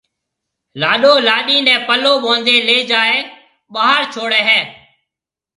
لاڏو لاڏِي نيَ پلو ٻونڌيَ ليَ جائيَ ٻاھر ڇوڙھيََََ ھيََََ